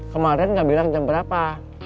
kemarin nggak bilang jam berapa